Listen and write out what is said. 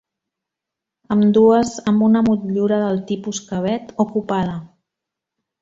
Ambdues amb una motllura del tipus cavet o copada.